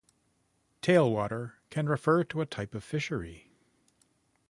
Tailwater can refer to a type of fishery.